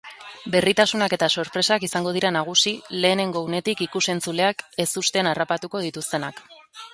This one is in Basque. Berritasunak eta sorpresak izango dira nagusi, lehenengo unetik ikus-entzuleak ezustean harrapatuko dituztenak.